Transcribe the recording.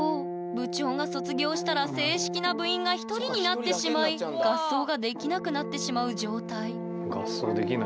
部長が卒業したら正式な部員が１人になってしまい合奏ができなくなってしまう状態。